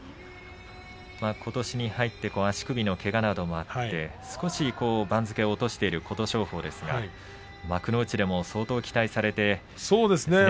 ことしに入って足首のけがもあって番付を落としている琴勝峰ですが幕内でも相当期待されましたね。